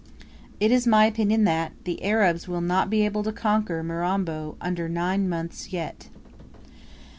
It is my opinion that, the Arabs will not be able to conquer Mirambo under nine months yet.